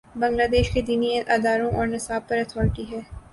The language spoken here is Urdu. بنگلہ دیش کے دینی اداروں اور نصاب پر اتھارٹی تھے۔